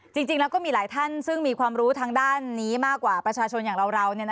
จริงแล้วก็มีหลายท่านซึ่งมีความรู้ทางด้านนี้มากกว่าประชาชนอย่างเรา